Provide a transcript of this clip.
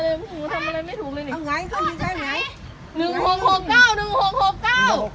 เด็กยังไม่ถึงไม่ถูกเรื่อยเรื่อย